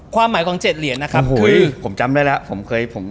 ความหมายของเจ็ดเหรียญนะครับผมจำได้แล้วผมเคยผม